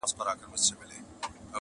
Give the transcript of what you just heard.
تر نظر يې تېروله ټول كونجونه!!